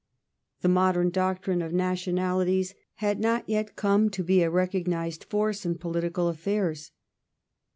The modern doctrine of nationalities had not yet come to be a recognised force in poli tical ajSTairs.